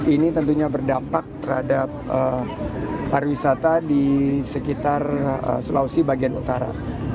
ini tentunya berdampak terhadap pariwisata di sekitar sulawesi bagian utara